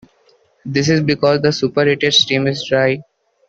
This is because the superheated steam is dry.